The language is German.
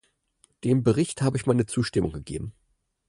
Dem Bericht habe ich meine Zustimmung gegeben.